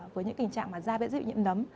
với những tình trạng mà da bị nhiễm nấm